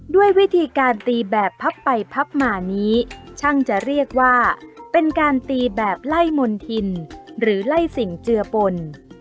ด้วยวิธีการตีแบบพับไปพับมานี้ช่างจะเรียกว่าเป็นการตีแบบไล่มนธินหรือไล่สิ่งเจือปน